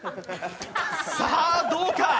さあ、どうか。